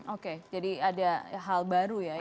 oke jadi ada hal baru ya